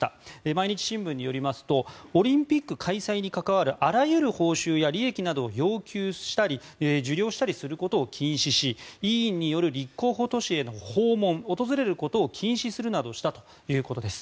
毎日新聞によりますとオリンピック開催に関わるあらゆる報酬や利益などを要求したり受領したりすることを禁止し委員による立候補都市への訪問訪れることを禁止するなどしたということです。